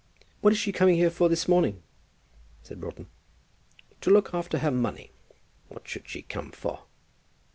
"What is she coming here for this morning?" asked Broughton. "To look after her money. What should she come for?"